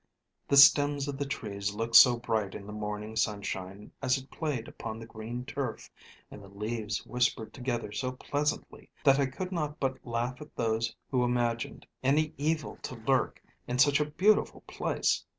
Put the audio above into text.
"The stems of the trees looked so bright in the morning sunshine, as it played upon the green turf, and the leaves whispered together so pleasantly, that I could not but laugh at those who imagined any evil to lurk in such a beautiful place.